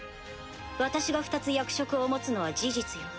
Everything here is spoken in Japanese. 私が２つ役職を持つのは事実よ。